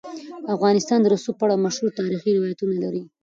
افغانستان د رسوب په اړه مشهور تاریخی روایتونه لري.